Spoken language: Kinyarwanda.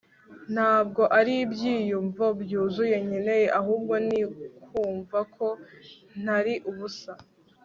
ntabwo ari ibyiyumvo byuzuye nkeneye, ahubwo ni kumva ko ntari ubusa